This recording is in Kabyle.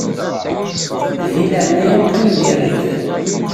Di leɛnaya-m qqim di rrif.